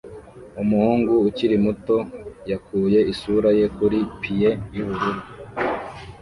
Umuhungu ukiri muto yakuye isura ye kuri pie yubururu